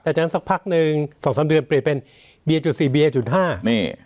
ฉะนั้นสักพักหนึ่งสองสามเดือนเปลี่ยนเป็นเบียร์จุดสี่เบียร์จุดห้านี่